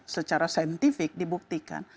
secara saintifik dibuktikan